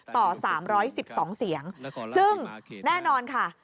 ต่อ๓๑๒เสียงซึ่งแน่นอนค่ะ